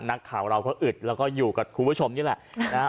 นักข่าวเราก็อึดแล้วก็อยู่กับคุณผู้ชมนี่แหละ